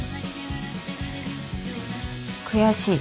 悔しい。